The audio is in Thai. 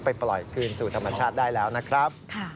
ปล่อยคืนสู่ธรรมชาติได้แล้วนะครับ